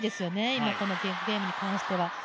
今、このゲームに関しては。